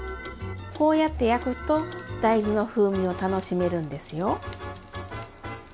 こうやって焼くと大豆の風味を楽しめるんですよ。